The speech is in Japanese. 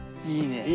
いいね。